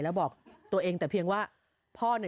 ภาพสวยที่แบบ